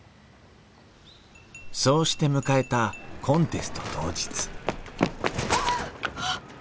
そうして迎えたコンテスト当日はあっ！